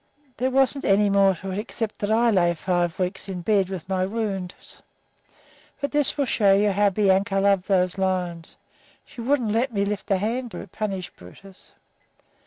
"There wasn't any more to it except that I lay five weeks in bed with my wounds. But this will show you how Bianca loved those lions: she wouldn't let me lift a hand to punish Brutus.